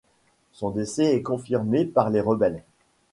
Son décès est confirmé par les rebelles.